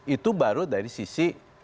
itu baru dari sisi